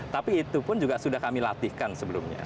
tapi itu pun juga sudah kami latihkan sebelumnya